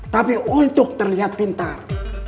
tapi untuk terlihat pintar